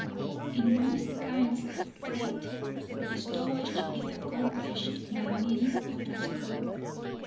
In most kinds of freight the stowage is accomplished by means of a screw.